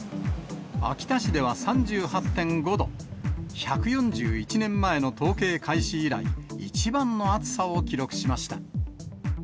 秋田市では３８．５度、１４１年前の統計開始以来、一番の暑さを記録しました。